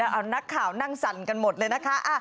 เอานักข่าวนั่งสั่นกันหมดเลยนะคะ